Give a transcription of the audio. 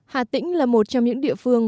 hà tĩnh là một trong những địa phương